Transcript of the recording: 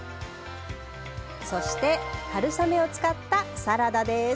そして春雨を使ったサラダです。